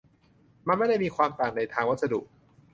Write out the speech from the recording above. มันไม่ได้มีความต่างในทางวัสดุ